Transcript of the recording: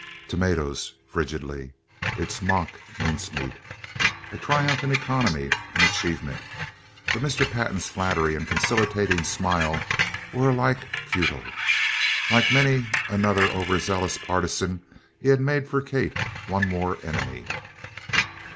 "Tomatoes," frigidly. "It's mock mincemeat." A triumph in economy an achievement! But Mr. Pantin's flattery and conciliating smile were alike futile. Like many another overzealous partisan, he had made for Kate one more enemy.